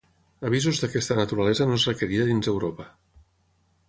Avisos d'aquesta naturalesa no és requerida dins Europa.